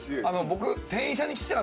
僕。